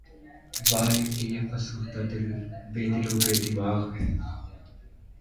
واے! کہ یہ فسردہ دل‘ بے دل و بے دماغ ہے